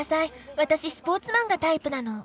私スポーツマンがタイプなの。